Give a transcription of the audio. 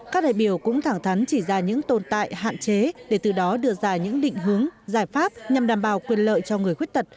các đại biểu cũng thẳng thắn chỉ ra những tồn tại hạn chế để từ đó đưa ra những định hướng giải pháp nhằm đảm bảo quyền lợi cho người khuyết tật